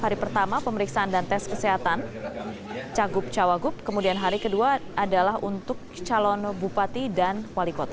hari pertama pemeriksaan dan tes kesehatan cagup cawagup kemudian hari kedua adalah untuk calon bupati dan wali kota